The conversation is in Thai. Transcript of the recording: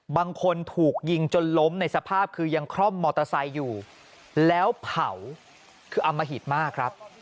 บางคนถูกยิงจนล้มในสภาพคือยังคร่อมมอเตอร์ไซค์อยู่แล้วเผาคืออมหิตมากครับ